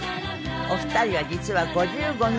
お二人は実は５５年